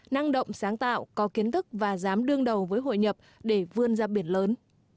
năng động sáng tạo có kiến thức và dám đương đầu với hội nhập để vươn ra biển lớn